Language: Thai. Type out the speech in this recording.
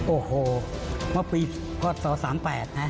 โอ้โฮเมื่อปี๑๙๓๒๑๙๓๘นะ